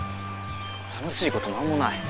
楽しいこと何もない。